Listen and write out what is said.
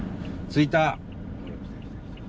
着いた！